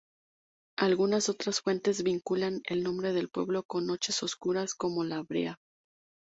Algunas otras fuentes vinculan el nombre del pueblo, con noches oscuras como la brea.